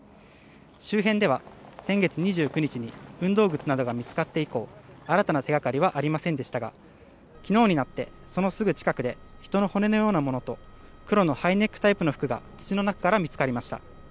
周辺では先月２９日に運動靴などが見つかって以降新たな手掛かりはありませんでしたが昨日になってそのすぐ近くで人の骨のようなものと黒のハイネックタイプの服が土の中から見つかりました。